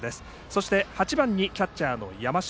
そして、８番にキャッチャーの山下。